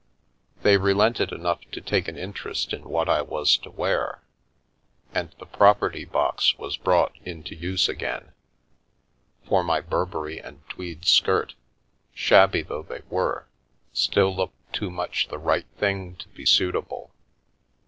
They relented enough to take an interest in what I was to wear, and the property box was brought into use again, for my Burberry and tweed skirt, shabby though they were, still looked too much the " right " thing to be suitable.